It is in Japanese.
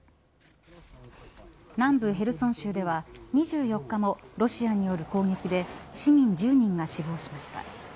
南部ヘルソン州では２４日もロシアによる攻撃で市民１０人が死亡しました。